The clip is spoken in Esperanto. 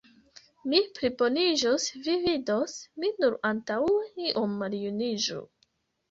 Mi pliboniĝos, vi vidos, mi nur antaŭe iom maljuniĝu!